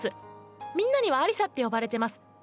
みんなにはありさって呼ばれてます。